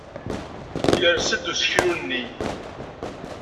Yers-d seg useklu-nni.